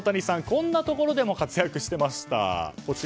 こんなところでも活躍していました。